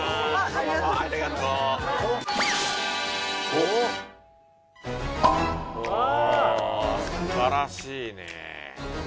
おっすばらしいね。